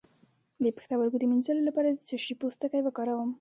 د پښتورګو د مینځلو لپاره د څه شي پوستکی وکاروم؟